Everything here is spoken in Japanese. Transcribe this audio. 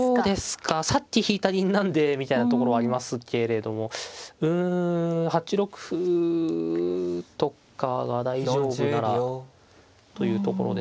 さっき引いた銀なんでみたいなところはありますけれどもうん８六歩とかが大丈夫ならというところですかね。